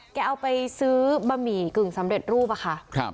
เอาไปซื้อบะหมี่กึ่งสำเร็จรูปอะค่ะ